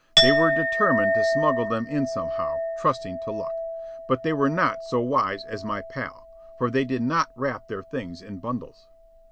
They were determined to smuggle them in somehow, trusting to luck; but they were not so wise as my pal, for they did not wrap their things in bundles.